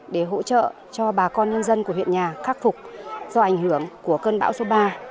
để hỗ trợ cho bà con nhân dân của huyện nhà khắc phục do ảnh hưởng của cơn bão số ba